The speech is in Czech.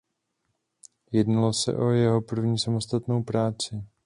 Jednalo se o jeho první samostatnou práci.